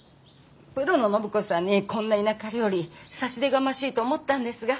プロの暢子さんにこんな田舎料理差し出がましいと思ったんですが。